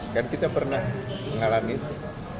kan kita pernah mengalami itu